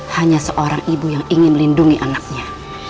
hanya seorang ibu yang ingin melindungi anaknya